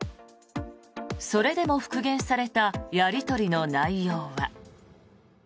それでも復元されたやり取りの内容は。